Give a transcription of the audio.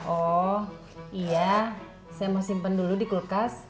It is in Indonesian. oh iya saya mau simpen dulu di kulkas